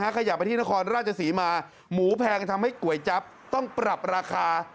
ขยับไปที่นครราชศรีมาหมูแพงทำให้ก๋วยจั๊บต้องปรับราคา